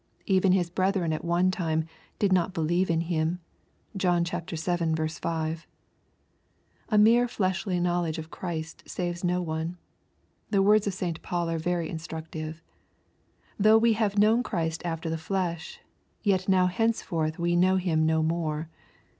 Even His brethren at one time " did not believe in him." (John vii. 5.) A mere fleshly knowledge of Christ saves no one. The words of St. Paul are very instructive :—•" Though we have known Christ after the flesh, yet now henceforth know we him no more."